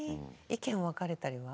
意見分かれたりは？